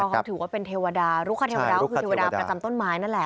เขาถือว่าเป็นเทวดารุคเทวดาก็คือเทวดาประจำต้นไม้นั่นแหละ